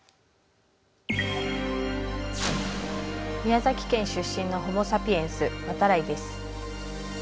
宮崎県出身のホモ・サピエンス渡来です。